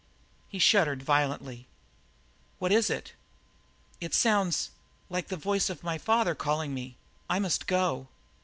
He shuddered violently. "What is it?" "It sounds like the voice of my father calling me! I must go!"